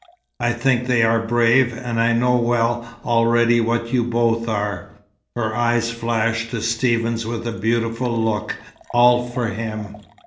"I think they are brave, and I know well already what you both are." Her eyes flashed to Stephen's with a beautiful look, all for him.